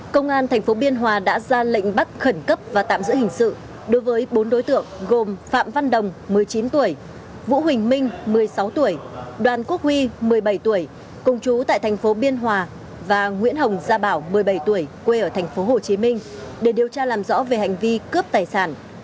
công an tp biên hòa đã ra lệnh bắt khẩn cấp và tạm giữ hình sự đối với bốn đối tượng gồm phạm văn đồng một mươi chín tuổi vũ huỳnh minh một mươi sáu tuổi đoàn quốc huy một mươi bảy tuổi công chú tại thành phố biên hòa và nguyễn hồng gia bảo một mươi bảy tuổi quê ở tp hcm để điều tra làm rõ về hành vi cướp tài sản